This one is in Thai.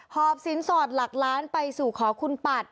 อบสินสอดหลักล้านไปสู่ขอคุณปัด